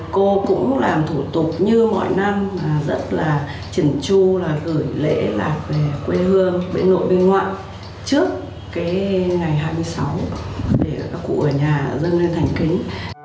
cô cũng làm thủ tục như mọi năm rất là chỉn chu gửi lễ là về quê hương về nội về ngoại trước ngày hai mươi sáu để các cụ ở nhà dân lên thành kính